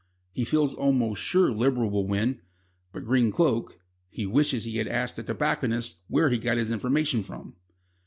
He feels almost sure Liberal will win, but Green Cloak he wishes he had asked the tobacconist where he got his information from.